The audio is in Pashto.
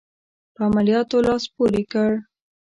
په عملیاتو لاس پوري کړ.